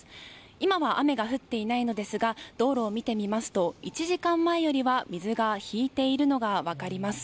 今は雨が降っていないのですが道路を見てみますと１時間前よりは水が引いているのが分かります。